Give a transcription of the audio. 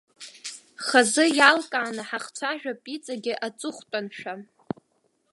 Хазы иалкааны ҳахцәажәап иҵегьы аҵыхәтәаншәа.